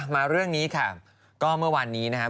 มาเรื่องนี้ค่ะก็เมื่อวานนี้นะครับ